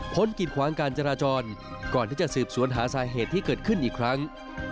กิดขวางการจราจรก่อนที่จะสืบสวนหาสาเหตุที่เกิดขึ้นอีกครั้ง